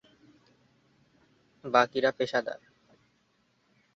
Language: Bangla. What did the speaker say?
বাকিরা পেশাদার।